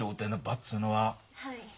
はい。